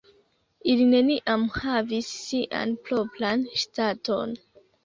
Ili neniam havis sian propran ŝtaton.